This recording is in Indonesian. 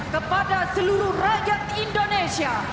kepada seluruh rakyat indonesia